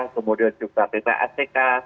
kemudian juga ppatk